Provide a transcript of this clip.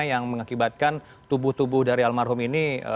yang mengakibatkan tubuh tubuh dari almarhum ini